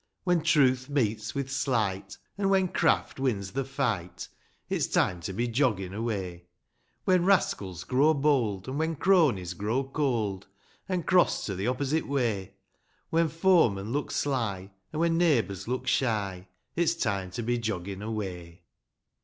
When truth meets with slight, an' when craft wins the fight, It's time to be joggin' away ; When rascals grow bold, an' when cronies grow cold, An' cross to the opposite way. When foemen look sly, an' when neighbours look shy, It's time to be joggin' away.